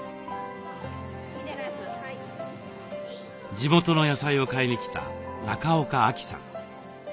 地元の野菜を買いに来た中岡亜希さん。